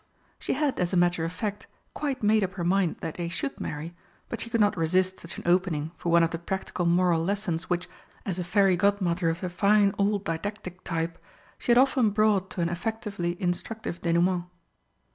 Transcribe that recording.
She had, as a matter of fact, quite made up her mind that they should marry, but she could not resist such an opening for one of the practical moral lessons which, as a Fairy Godmother of the fine old didactic type, she had often brought to an effectively instructive dénoûment.